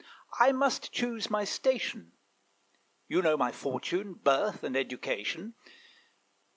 I must choose my station. You know my fortune, birth, and education.